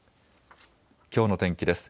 きょうの天気です。